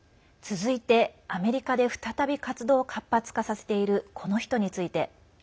続いて、アメリカで再び活動を活発化させているこの人について。